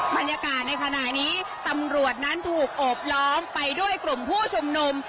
บรรยากาศในขณะนี้ตำรวจนั้นถูกโอบล้อมไปด้วยกลุ่มผู้ชุมนุม